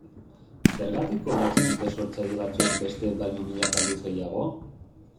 Zergatik kobratzen dute sortzaile batzuek bestek baino milaka aldiz gehiago?